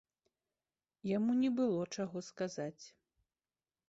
Яму не было чаго сказаць.